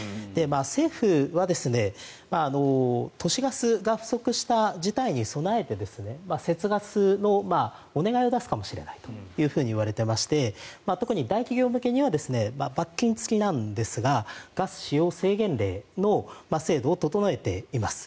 政府は都市ガスが不足した事態に備えて節ガスのお願いを出すかもしれないといわれていまして特に大企業向けには罰金付きなんですがガス使用制限令の制度を整えています。